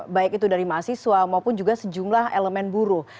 baik itu dari mahasiswa maupun juga sejumlah elemen buruh